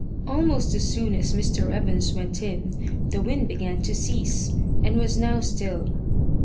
Almost as soon as Mr. Evans went in, the wind began to cease, and was now still.